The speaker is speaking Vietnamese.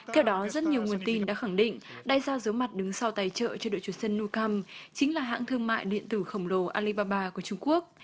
theo đó rất nhiều nguồn tin đã khẳng định đại gia giấu mặt đứng sau tài trợ cho đội chủ sân nukem chính là hãng thương mại điện tử khổng lồ alibaba của trung quốc